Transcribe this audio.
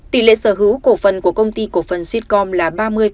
tỷ lệ sở hữu cổ phần của công ty cổ phần sitcom là ba mươi bốn mươi bốn